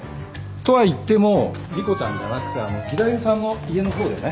とはいっても莉湖ちゃんじゃなくてあの義太夫さんの家の方でね。